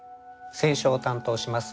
選書を担当します